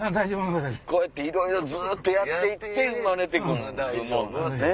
こうやっていろいろずっとやって行って生まれて来るんでしょうね。